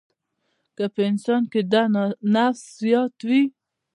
که په انسان کې دا نفسیات وي.